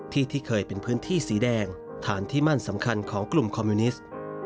ที่ที่เคยเป็นพื้นที่สีแดงฐานที่มั่นสำคัญของกลุ่มคอมมิวนิสต์